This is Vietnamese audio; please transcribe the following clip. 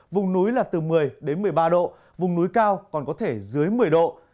vùng núi là từ một mươi đến một mươi ba độ vùng núi cao còn có thể dưới một mươi độ